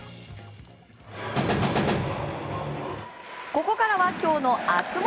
ここからは、きょうの熱盛！